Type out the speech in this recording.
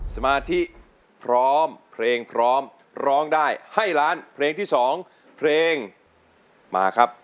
สมาธิพร้อมเพลงพร้อมร้องได้ให้ล้านเพลงที่๒เพลงมาครับ